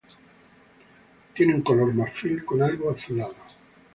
Tiene un color marfil con algo azulado.